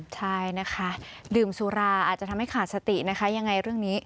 ใช่นะคะดื่มสุราอาจจะทำให้ขาดสตินะคะยังไงเรื่องนี้